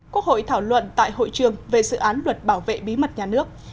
quốc hội thảo luận tại hội trường về dự án luật bảo vệ bí mật nhà nước